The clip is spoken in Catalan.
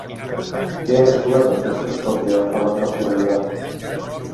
Què ha descobert l'espectroscòpia a l'atmosfera d'Urà?